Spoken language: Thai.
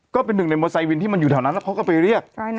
ก็เป็นหนึ่งในมอเซวินที่มันอยู่แถวนั้นแล้วเขาก็ไปเรียก